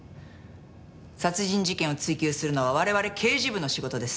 殺人事件を追及するのは我々刑事部の仕事です。